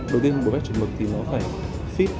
đầu tiên bộ vest chuẩn mực thì nó phải fit